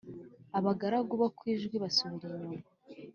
abagaragu bo kwijwi basubira inyuma